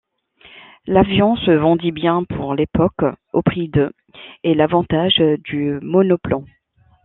L'avion se vendit bien pour l'époque au prix de et l'avantage du monoplan.